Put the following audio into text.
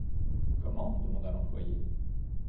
Comment ? demanda l'employé.